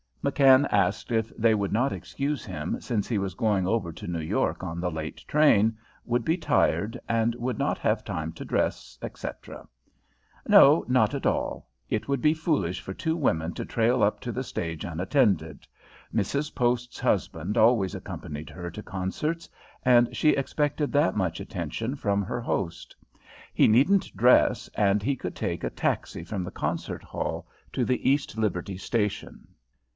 McKann asked if they would not excuse him, since he was going over to New York on the late train, would be tired, and would not have time to dress, etc. No, not at all. It would be foolish for two women to trail up to the stage unattended. Mrs. Post's husband always accompanied her to concerts, and she expected that much attention from her host. He needn't dress, and he could take a taxi from the concert hall to the East Liberty station.